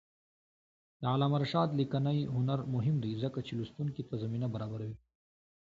د علامه رشاد لیکنی هنر مهم دی ځکه چې لوستونکي ته زمینه برابروي.